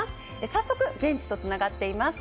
早速現地とつながっています。